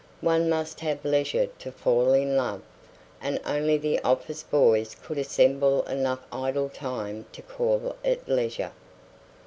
One must have leisure to fall in love; and only the office boys could assemble enough idle time to call it leisure.